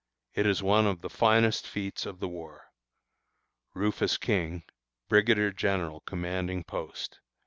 It is one of the finest feats of the war. RUFUS KING, Brigadier General Commanding Post.